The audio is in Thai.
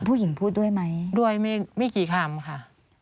ผู้หญิงพูดด้วยไหมด้วยไม่กี่คำค่ะ